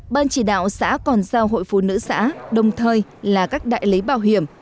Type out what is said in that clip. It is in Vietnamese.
ban chỉ đạo xã còn giao hội phụ nữ xã đồng thời là các đại lý bảo hiểm